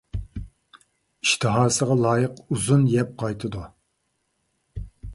ئىشتىھاسىغا لايىق ئۇزۇق يەپ قايتىدۇ .